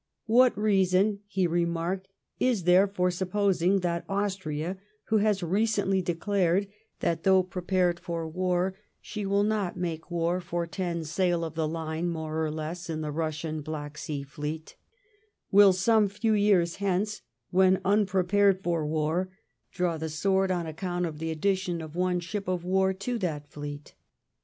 '* What reason," he remarked,, "is there for supposing that Austria, who has recently declared that^ though prepared for war, she will not make war for ten sail of the line more or less in the Bussian Black Sea fleet, will some few years hence, when unprepared for war, draw the sword on account or the addition of one ship of war to that fleet